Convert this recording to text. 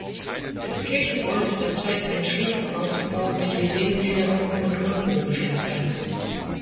Das Kirchenäußere zeigt einen schlichten Außenbau mit Lisenengliederung und Rundbogenfenstern.